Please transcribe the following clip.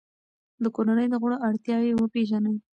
د کورنۍ د غړو اړتیاوې وپیژنئ.